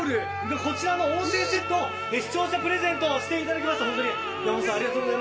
こちらの温泉セットを視聴者プレゼントとしていただきます。